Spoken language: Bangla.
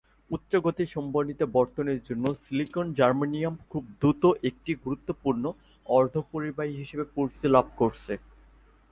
উচ্চগতির সমন্বিত বর্তনীর জন্য সিলিকন-জার্মেনিয়াম খুব দ্রুত একটি গুরুত্বপূর্ণ অর্ধপরিবাহী হিসেবে পরিচিতি লাভ করছে।